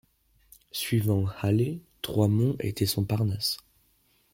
Suivant Halley, Trois-Monts était son Parnasse.